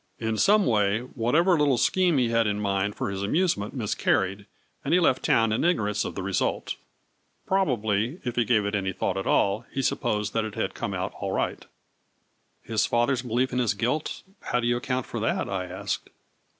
" In some way, whatever little scheme he had in mind for his amusement miscarried, and he left town in ignorance of the result. Probably, if he gave it any thought at all, he supposed that it had come out all right." 166 A FLURBY IN DIAMONDS. " His father's belief in his guilt,, how do you account for that ?' 'I asked.